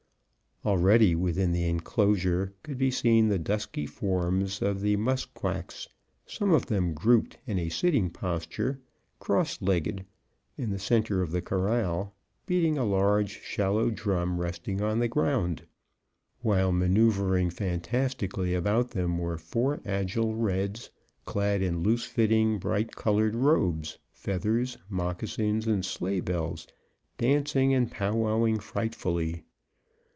Already within the enclosure could be seen the dusky forms of the Musquaques, some of them grouped in a sitting posture, crosslegged, in the center of the corral, beating a large shallow drum resting on the ground; while maneuvring fantastically about them were four agile reds, clad in loose fitting, bright colored robes, feathers, moccasins and sleighbells, dancing, and pow wowing frightfully.